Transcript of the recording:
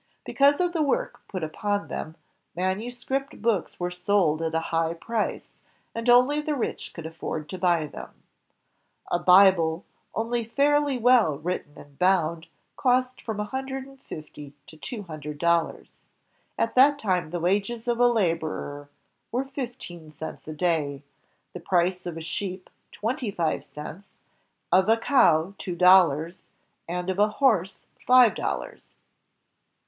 Because of the work put upon them, manuscript books were sold at a high price, and only the rich could afford to buy them. A Bible, only fairly well written and bound, cost from a hundred and fifty to two hundred dollars. At that time the wages of a laborer were fifteen cents a day, the price of a sheep twenty five cents, of a cow two dollars, and of a horse five dollars.